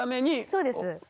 そうです。